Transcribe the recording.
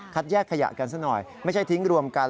แยกขยะกันซะหน่อยไม่ใช่ทิ้งรวมกัน